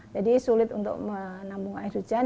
jadi sulit untuk menambung air hujan